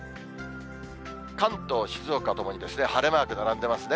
関東、静岡ともに晴れマーク並んでますね。